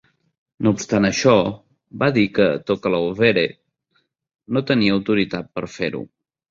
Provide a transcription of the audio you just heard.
No obstant això, va dir que Tokalauvere no tenia autoritat per fer-ho.